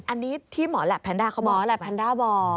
อันนี้ที่หมอแหลปแพนด้าเขาบอกแหละแพนด้าบอก